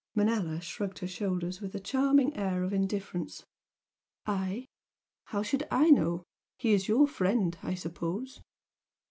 Manella shrugged her shoulders with a charming air of indifference. "I? How should I know? He is your friend I suppose?"